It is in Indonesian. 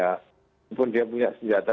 walaupun dia punya senjata